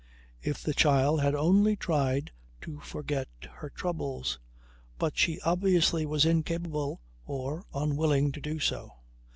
If the child had only tried to forget her troubles! But she obviously was incapable or unwilling to do so.